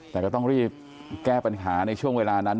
แต่ก็ต้องรีบแก้ปัญหาในช่วงเวลานั้น